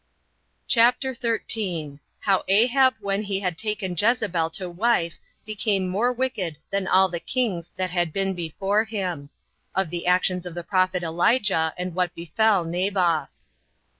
CHAPTER 13. How Ahab When He Had Taken Jezebel To Wife Became More Wicked Than All The Kings That Had Been Before Him; Of The Actions Of The Prophet Elijah, And What Befell Naboth.